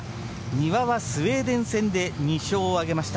丹羽はスウェーデン戦で２勝を挙げました。